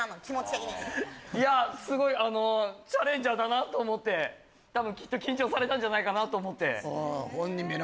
気持ち的にいやすごいあのチャレンジャーだなと思ってたぶんきっと緊張されたんじゃないかなと思ってああ本人